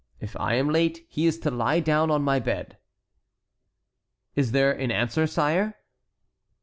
If I am late, he is to lie down on my bed." "Is there an answer, sire?"